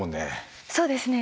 そうですね。